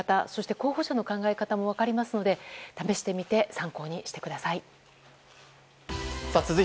候補者の考え方も分かりますので試してみて参考にしてください。